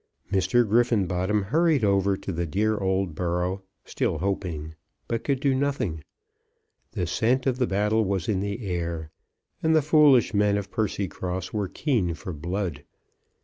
Mr. Griffenbottom hurried over to the dear old borough, still hoping, but could do nothing. The scent of the battle was in the air, and the foolish men of Percycross were keen for blood.